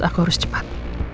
aku harus cepat